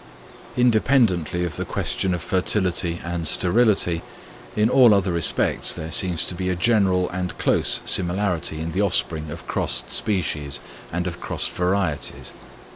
Independently of the question of fertility and sterility, in all other respects there seems to be a general and close similarity in the offspring of crossed species, and of crossed varieties.